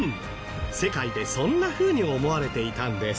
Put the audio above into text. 世界でそんなふうに思われていたんです